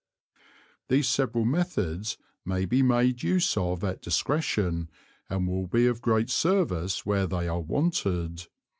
These several Methods may be made use of at Discretion, and will be of great Service where they are wanted.